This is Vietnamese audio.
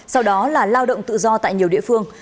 sau đó là lao động tự do tại nhiều địa phương